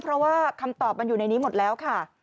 เพราะว่าคำตอบมันอยู่ในนี้หมดแล้วค่ะ